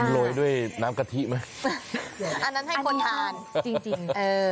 โรยด้วยน้ำกะทิไหมอันนั้นให้คนทานจริงจริงเออ